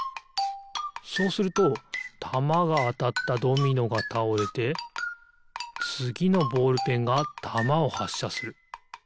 そうするとたまがあたったドミノがたおれてつぎのボールペンがたまをはっしゃする。